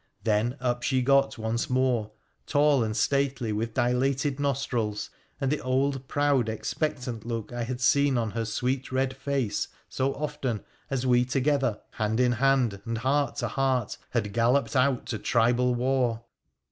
Then up she got once more, tall and stately, with Jilated nostrils and the old proud, expectant look I had seen an her sweet red face so often as we together, hand in hand, and heart to heart, had galloped out to tribal war.